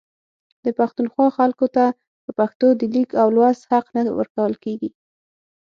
د پښتونخوا خلکو ته په پښتو د لیک او لوست حق نه ورکول کیږي